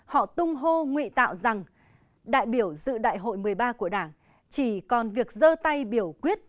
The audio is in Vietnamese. họ tung hô nguy tạo rằng đại biểu dự đại hội một mươi ba của đảng chỉ còn việc dơ tay biểu quyết